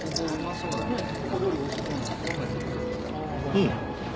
うん。